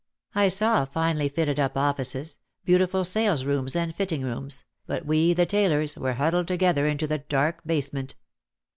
I saw finely fitted up offices, beautiful salesrooms and fitting rooms, but we, the tailors, were huddled to gether into the dark basement.